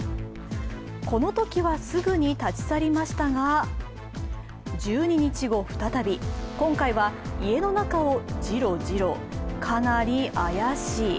このときはすぐに立ち去りましたが、１２日後再び、今回は、家の中をじろじろ、かなり怪しい。